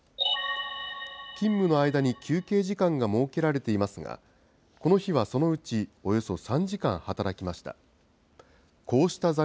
勤務の間に休憩時間が設けられていますが、この日はそのうちおよそ３時間働きました。